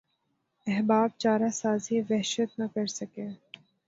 احباب چارہ سازی وحشت نہ کر سکے